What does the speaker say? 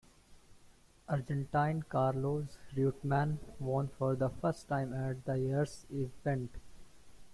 Argentine Carlos Reutemann won for the first time at that year's event.